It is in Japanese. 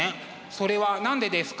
それは何でですか？